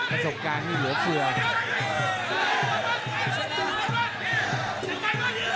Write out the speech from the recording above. ประสบการณ์มีหัวเผื่อ